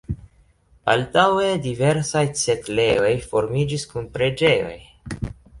Baldaŭe diversaj setlejoj formiĝis kun preĝejoj.